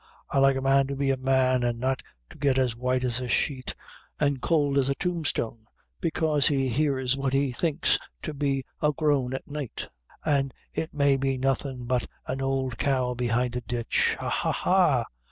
I like a man to be a man, an' not to get as white as a sheet, an' cowld as a tombstone, bekaise he hears what he thinks to be a groan at night, an' it may be nothin' but an owld cow behind a ditch. Ha! ha!